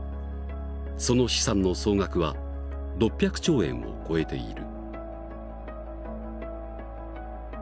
その資産の総額は６００兆円を超えている。